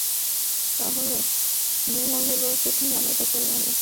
তাহলে, বোমাগুলো প্রথমে আলাদা করব আমরা।